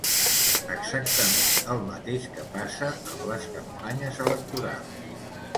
Exactament el mateix que passa amb les campanyes electorals.